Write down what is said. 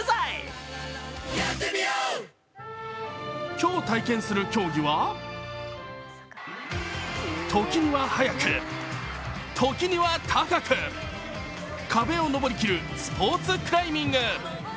今日体験する競技は時には速く、時には高く、壁を登り切るスポーツクライミング。